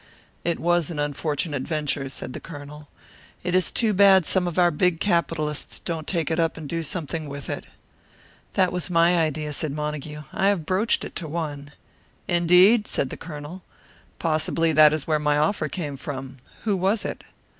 "It was an unfortunate venture," said the Colonel. "It is too bad some of our big capitalists don't take it up and do something with it." "That was my idea," said Montague. "I have broached it to one." "Indeed?" said the Colonel. "Possibly that is where my offer came from. Who was it?"